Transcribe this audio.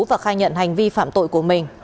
và khai nhận hành vi phạm tội của mình